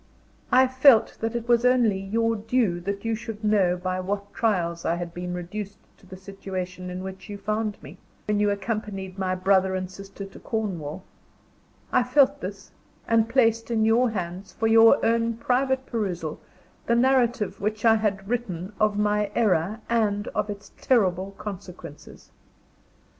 I felt that it was only your due that you should know by what trials I had been reduced to the situation in which you found me, when you accompanied my brother and sister to Cornwall I felt this; and placed in your hands, for your own private perusal, the narrative which I had written of my error and of its terrible consequences.